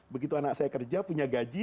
begitu anak saya kerja punya gaji